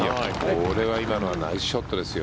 これは今のはナイスショットですよ。